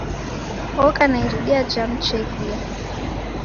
Oka na iridia ja mcheghia.